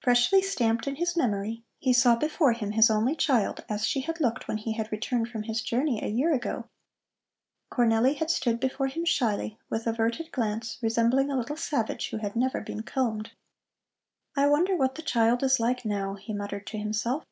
Freshly stamped in his memory, he saw before him his only child as she had looked when he had returned from his journey a year ago. Cornelli had stood before him shyly, with averted glance, resembling a little savage, who had never been combed. "I wonder what the child is like now?" he muttered to himself.